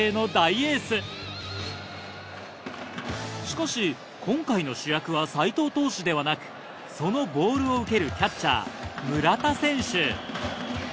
しかし今回の主役は斎藤投手ではなくそのボールを受けるキャッチャー村田選手。